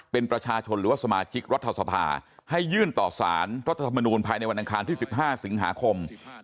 เป็นประชาชนหรือว่าสมาชิกรัฐสภาให้ยื่นต่อสารรัฐธรรมนูลภายในวันอังคารที่๑๕สิงหาคม